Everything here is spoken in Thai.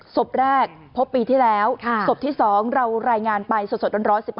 ศพแรกพบปีที่แล้วศพที่๒เรารายงานไปสดร้อน๑๑